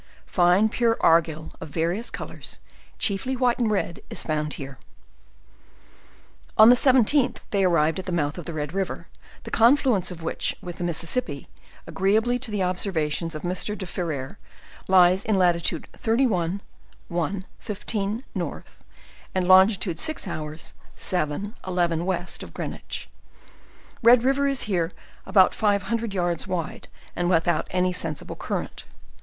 Fine pure argil of various colors, chief ly white and red, is fjund here. On the 17th they arrived at the mouth of the Red river, the confluence of which with the Mississippi, agreeably to the observations of Mr. de Ferrer, lies in latitude 31, 1, 15, N. and longitude 6h. 7, 11, west of Greenwich. Red river is here about five hundred yards wide, and without any sen sible current.